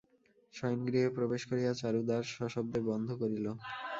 শয়নগৃহে প্রবেশ করিয়া চারু দ্বার সশব্দে বন্ধ করিল।